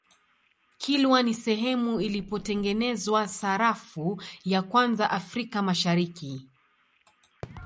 kilwa ni sehemu ilipotengenezwa sarafu ya kwanza africa mashariki